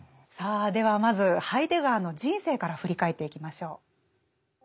さあではまずハイデガーの人生から振り返っていきましょう。